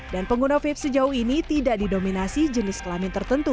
dan pengguna vape sejauh ini tidak didominasi jenis kelamin tertentu